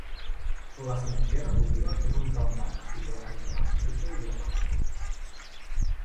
La cinquena botiga és un campanar situat entre l'església i el refetor.